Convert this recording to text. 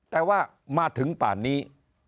แต่ว่ามาถึงป่านนี้